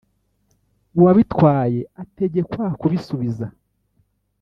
uwabitwaye ategekwa kubisubiza